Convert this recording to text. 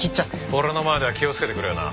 俺の前では気をつけてくれよな。